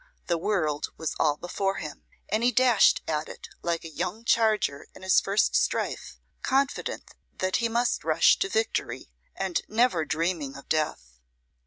The world was all before him; and he dashed at it like a young charger in his first strife, confident that he must rush to victory, and never dreaming of death.